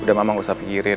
udah mama nggak usah pikirin